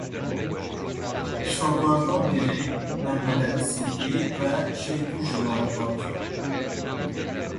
Kitablardan biri "Məmmədəli Sidqi və "Şeypur" jurnalı" adlanır.